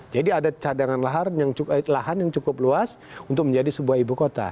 ada cadangan lahan yang cukup luas untuk menjadi sebuah ibu kota